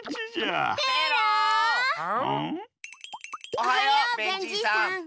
おはようベンじいさん。